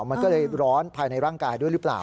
มันก็เลยร้อนภายในร่างกายด้วยหรือเปล่า